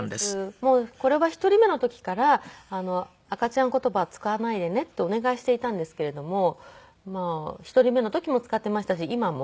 もうこれは１人目の時から赤ちゃん言葉は使わないでねってお願いしていたんですけれども１人目の時も使っていましたし今も。